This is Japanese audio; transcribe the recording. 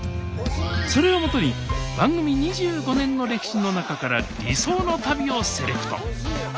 それをもとに番組２５年の歴史の中から理想の旅をセレクト！